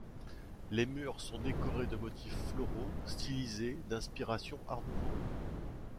Les murs sont décorés de motifs floraux stylisés d'inspiration Art nouveau.